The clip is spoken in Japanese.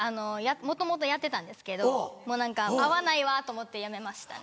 もともとやってたんですけど何か合わないわと思ってやめましたね。